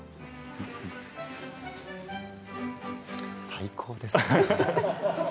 最高ですね。